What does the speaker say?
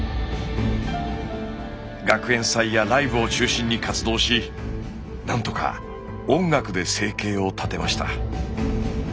学園祭やライブを中心に活動し何とか音楽で生計を立てました。